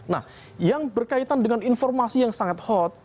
nah yang berkaitan dengan informasi yang sangat hot